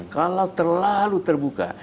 kalau terlalu terbuka